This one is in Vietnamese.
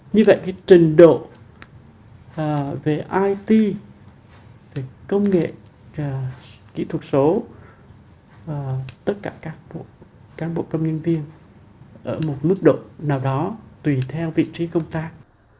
như vậy cái trình độ về it công nghệ kỹ thuật số tất cả các cán bộ công nhân viên ở một mức độ nào đó tùy theo vị trí công tác